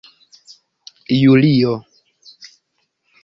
julio